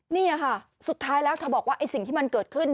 นี่ค่ะสุดท้ายแล้วเธอบอกว่าไอ้สิ่งที่มันเกิดขึ้น